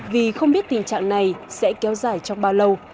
vì không biết tình trạng này sẽ kéo dài trong bao lâu